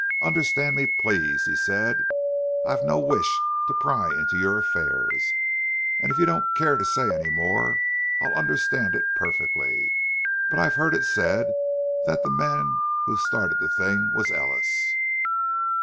"Understand me, please," he said. "I've no wish to pry into your affairs, and if you don't care to say any more, I'll understand it perfectly. But I've heard it said that the man who started the thing was Ellis."